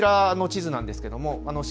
こちらの地図です。